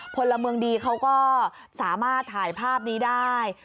พลเมืองดีเขาก็สามารถถ่ายภาพนี้ได้